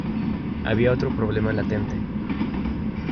Había otro problema latente.